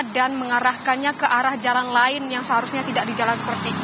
dan mengarahkannya ke arah jalan lain yang seharusnya tidak di jalan seperti